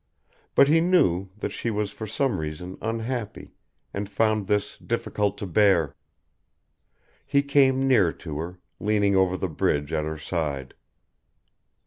But he knew that she was for some reason unhappy, and found this difficult to bear. He came near to her, leaning over the bridge at her side.